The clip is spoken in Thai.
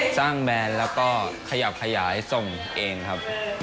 แบรนด์แล้วก็ขยับขยายส่งเองครับ